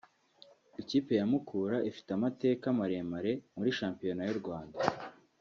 Ikipe ya Mukura ifite amateka maremare muri shampiyona y’u Rwanda